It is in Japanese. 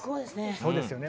そうですよね。